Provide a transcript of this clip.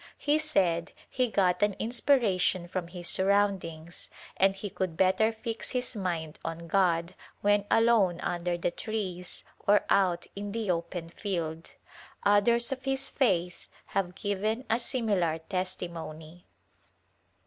Fie said he got an inspiration from his sur roundings and he could better fix his mind on God when alone under the trees or out in the open field. Others of his faith have given a similar testimony.